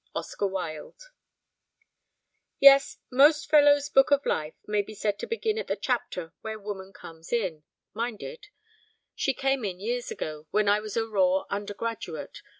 _ OSCAR WILDE Yes, most fellows' book of life may be said to begin at the chapter where woman comes in; mine did. She came in years ago, when I was a raw undergraduate.